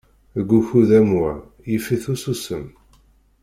Deg ukud am wa, yif-it ususem.